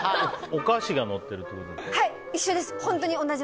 お菓子がのってるということで。